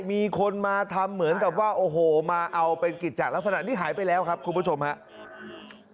มีคนมาทำเหมือนกับว่าโอ้โหมาเอาเป็นกิจจัดลักษณะนี้หายไปแล้วครับคุณผู้ชมครับ